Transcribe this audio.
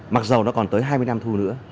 mặc dù nó còn tới hai mươi năm thu nữa